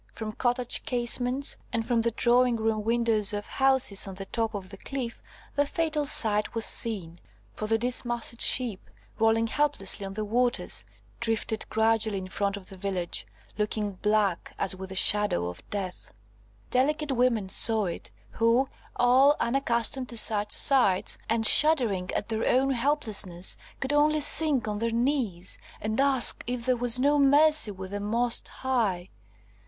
From cottage casements, and from the drawing room windows of houses on the top of the cliff, the fatal sight was seen, for the dismasted ship, rolling helplessly on the waters, drifted gradually in front of the village, looking black as with the shadow of death. Delicate women saw it, who, all unaccustomed to such sights, and shuddering at their own helplessness, could only sink on their knees, and ask if there was no mercy with the Most High.